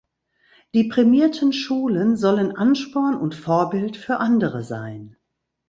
Die prämierten Schulen sollen Ansporn und Vorbild für andere sein.